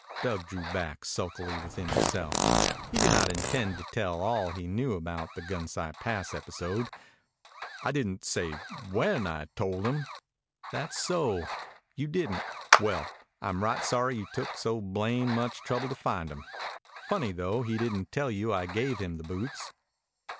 Dug drew back sulkily within himself. He did not intend to tell all he knew about the Gunsight Pass episode. "I didn't say when I told him." "Tha's so. You didn't. Well, I'm right sorry you took so blamed much trouble to find him. Funny, though, he didn't tell you I gave him the boots."